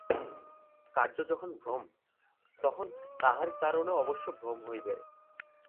কার্য যখন ভ্রম, তখন তাহার কারণও অবশ্য ভ্রম হইবে।